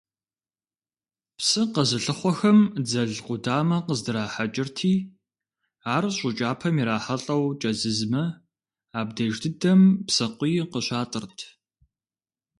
Псы къэзылъыхъуэхэм дзэл къудамэ къыздрахьэкӀырти, ар щӀы кӀапэм ирахьэлӀэу кӀэзызмэ, абдеж дыдэм псыкъуий къыщатӀырт.